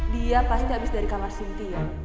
dia pasti habis dari kamar cynthia